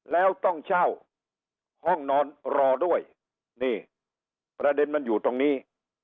แล้วต้องเช่าห้องนอนรอด้วยนี่ประเด็นมันอยู่ตรงนี้